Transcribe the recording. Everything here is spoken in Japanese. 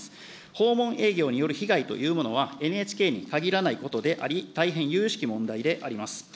訪問営業による被害というものは、ＮＨＫに限らないことであり、大変ゆゆしき問題であります。